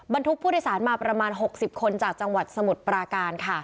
บรรทุกผู้โดยสารมาประมาณ๖๐คนจากจังหวัดสมุทรปราการค่ะ